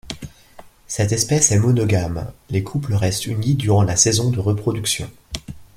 Cette espèce est monogame, les couples restent unis durant la saison de reproduction.